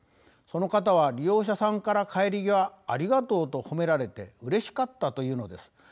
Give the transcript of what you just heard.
その方は利用者さんから帰り際ありがとうと褒められてうれしかったというのです。